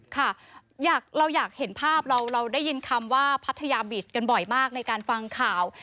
ค่ะเราอยากเห็นภาพเราได้ยินคำว่าพัทยาบีชกันบ่อยมากในการฟังข่าว